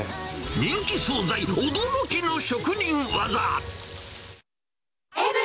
人気総菜、驚きの職人技。